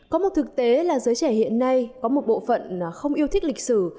có một thực tế là giới trẻ hiện nay có một bộ phận không yêu thích lịch sử